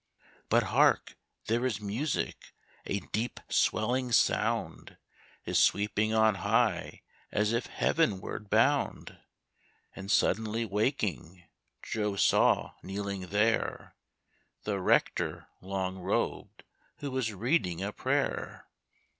But hark! there is music; a deep swelling sound Is sweeping on high as if heavenward bound. And suddenly waking, Joe saw kneeling there The rector, long robed, who was reading a prayer.